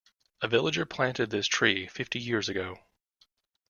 A villager planted this tree fifty years ago.